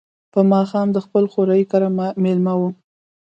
په ماښام د خپل خوریي کره مېلمه وم.